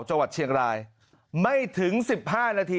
จังหวัดเชียงรายไม่ถึง๑๕นาที